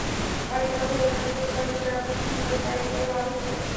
পায়ের তলা ভেজা থাকার ফলে ছত্রাকের সংক্রমণ হলে পায়ের তলা লাল হয়ে যায়।